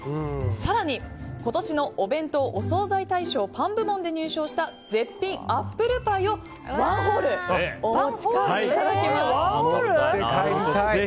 更に今年のお弁当・お惣菜大賞パン部門で入賞した絶品アップルパイをワンホールお持ち帰りいただけます。